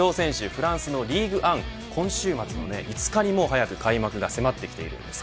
フランスのリーグアン今週末の５日には早くも開幕が迫っています。